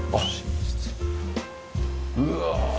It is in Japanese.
うわ！